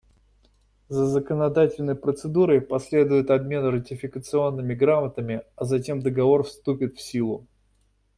За законодательной процедурой последует обмен ратификационными грамотами, а затем Договор вступит в силу.